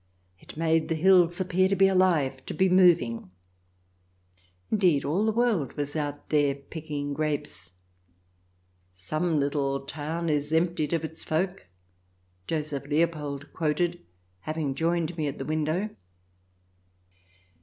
It made the hills appear to be alive — to be moving. For indeed, all the world was out there picking grapes. "Some little town is emptied of its folk," Joseph Leopold quoted,* having joined me at the window.